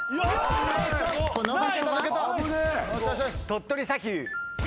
鳥取砂丘。